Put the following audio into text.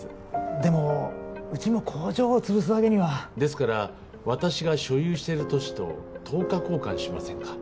でもうちも工場を潰すわけにですから私が所有している土地と等価交換しませんか？